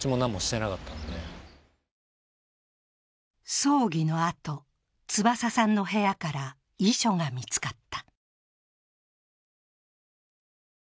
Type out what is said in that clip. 葬儀の後、翼さんの部屋から遺書が見つかった。